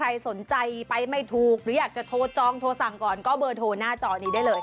ใครสนใจไปไม่ถูกหรืออยากจะโทรจองโทรสั่งก่อนก็เบอร์โทรหน้าจอนี้ได้เลย